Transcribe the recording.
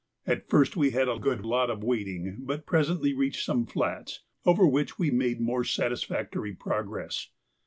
At first we had a good lot of wading, but presently reached some flats, over which we made more satisfactory progress.